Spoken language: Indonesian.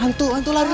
hantu hantu lari